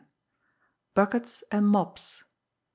Buckets and Mops.